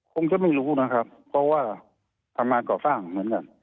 คงจะไม่รู้นะครับเพราะว่าทำงานก่อสร้างเหมือนกัน